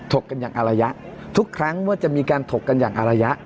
กกันอย่างอารยะทุกครั้งเมื่อจะมีการถกกันอย่างอารยะ